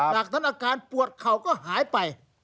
จากนั้นอาการปวดเข่าก็หายไป